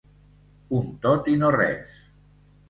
Un tot i no res.